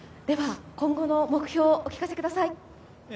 今後の目標をお聞かせください。